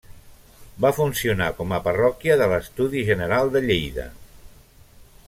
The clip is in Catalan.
Va funcionar com a parròquia de l'Estudi General de Lleida.